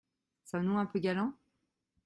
Sommes-nous un peu galant ?